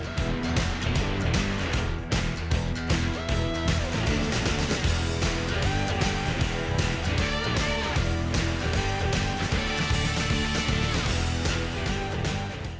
โปรดติดตามตอนต่อไป